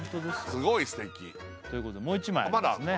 すごいすてきということでもう１枚ありますね